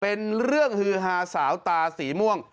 เป็นเรื่องฮือฮาสาวตาสีม่วง